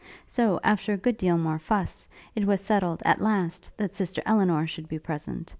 So, after a good deal more fuss, it was settled, at last, that Sister Elinor should be present.